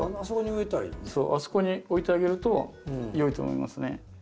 あそこに置いてあげるとよいと思いますね。